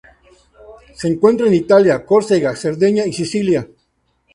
Se encuentra en Italia, Córcega, Cerdeña y Sicilia.